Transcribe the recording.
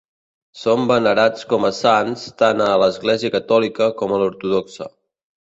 Són venerats com a sants tant a l'església catòlica com a l'ortodoxa.